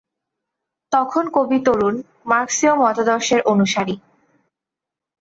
তখন কবি তরুণ, মার্ক্সীয় মতাদর্শের অনুসারী।